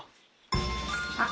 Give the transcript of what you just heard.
あっ。